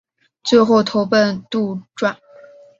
最后投奔杜弢。